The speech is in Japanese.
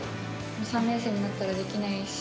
３年生になったらできないし。